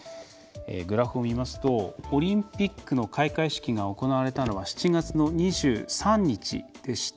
グラフを見ますとオリンピックの開会式が行われたのは７月の２３日でした。